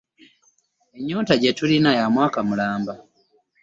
Ennyonta gye tulina ya mwaka mulamba.